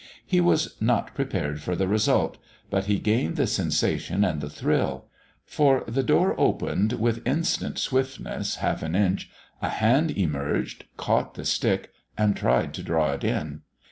He was not prepared for the result, but he gained the sensation and the thrill. For the door opened with instant swiftness half an inch, a hand emerged, caught the stick and tried to draw it in.